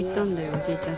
おじいちゃん。